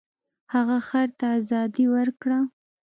هغه خر ته ازادي ورکړه.